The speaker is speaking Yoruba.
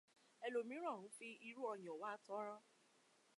Ẹlòmíìran ń fi irú ọyàn wa tọrọ.